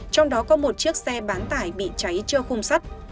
trong đó có một chiếc xe bán tải bị cháy trơ khung sắt